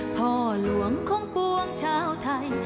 พ่อหลวงของปวงชาวไทย